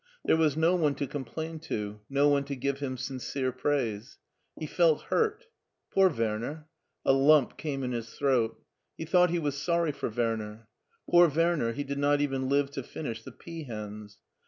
There was no one to complain to, no one to give him sincere praise. He felt hurt. Poor Werner ! A lump came in his throat. He thought he was sorry for Werner. Poor Werner, he did not even live to finish " the Peahens."